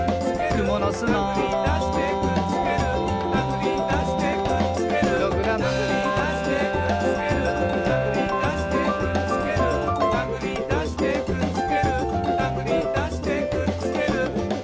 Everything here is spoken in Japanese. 「くものすの」「たぐりだしてくっつける」「たぐりだしてくっつける」「プログラム」「たぐりだしてくっつける」「たぐりだしてくっつける」「たぐりだしてくっつけるたぐりだしてくっつける」